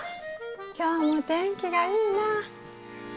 今日も天気がいいな。